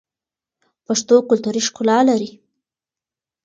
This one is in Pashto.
پښتو کلتوري ښکلا لري.